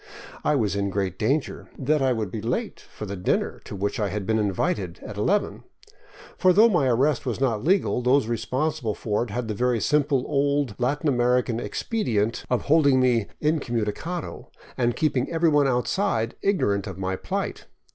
I was in great danger — that I should be late for the dinner to which I had been invited at eleven. For though my arrest was not legal, those responsible for it had the very simple old Latin American expedient 557 VAGABONDING DOWN THE ANDES of holding me incomunicado " and keeping everyone outside ignorant of my plight.